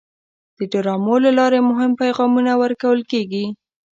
د ډرامو له لارې مهم پیغامونه ورکول کېږي.